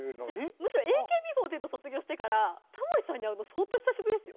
むしろＡＫＢ４８卒業してからタモリさんに会うの相当久しぶりですよ。